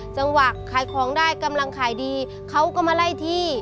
จังหวะขายของได้กำลังขายดีเขาก็มาไล่ที่